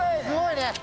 すごいね。